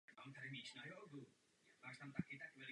Už po dvaceti dnech obsadili Soul a pokračovali dále na sever.